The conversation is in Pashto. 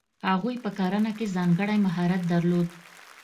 هغوی په کرنه کې ځانګړی مهارت درلود.